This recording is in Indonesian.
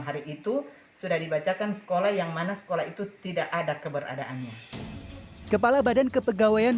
hari itu sudah dibacakan sekolah yang mana sekolah itu tidak ada keberadaannya kepala badan kepegawaian